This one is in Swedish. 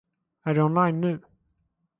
Är du online nu?